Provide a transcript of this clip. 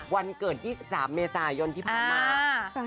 วันเกิด๒๓เมษายนที่ผ่านมา